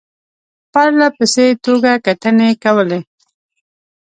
پرله پسې توګه کتنې کولې.